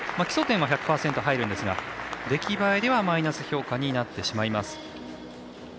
基礎点は１００％入るんですが出来栄えではマイナス評価になってしまいます。